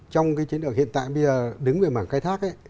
trong cái chiến lược hiện tại bây giờ đứng về mảng khai thác ấy